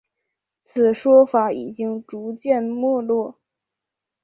此说法已经逐渐没落。